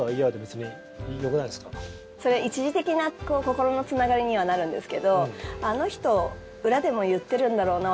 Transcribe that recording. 一時的な心のつながりにはなるんですけどあの人裏でも言ってるんだろうな